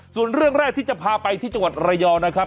ส่วนเรื่องแรกที่จะพาไปที่จังหวัดระยองนะครับ